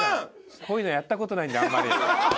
こういうのやったことないんであんまり。